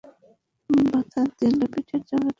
বাঁধা দিলে পিঠের চামড়া তুলে নিব।